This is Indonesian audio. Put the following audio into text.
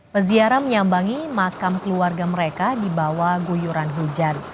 peziarah menyambangi makam keluarga mereka di bawah guyuran hujan